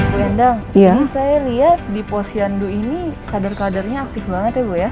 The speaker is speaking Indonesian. bu endang ini saya lihat di posyandu ini kader kadernya aktif banget ya bu ya